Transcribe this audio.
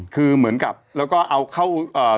คือเหมือนกับแล้วก็เอาเข้าเอ่อ